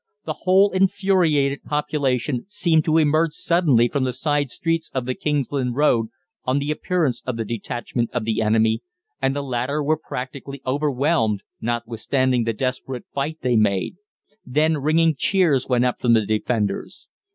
The whole infuriated population seemed to emerge suddenly from the side streets of the Kingsland Road on the appearance of the detachment of the enemy, and the latter were practically overwhelmed, notwithstanding the desperate fight they made. Then ringing cheers went up from the defenders.